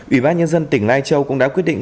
ubnd tỉnh lai châu cũng đã quyết định